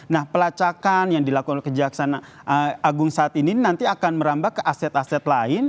nah pelacakan yang dilakukan oleh kejaksaan agung saat ini nanti akan merambah ke aset aset lain